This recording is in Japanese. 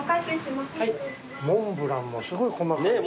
モンブランもすごい細かい。